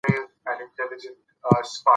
که ټولنیز سازمانونه فعال وي نو ستونزې کمیږي.